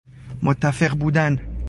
متفق بودن